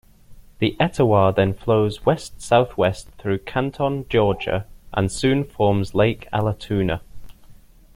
The Etowah then flows west-southwest through Canton, Georgia, and soon forms Lake Allatoona.